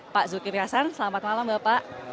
pak zulkifli hasan selamat malam bapak